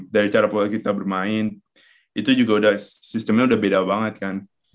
dari cara pola kita bermain itu juga udah sistemnya udah beda banget kan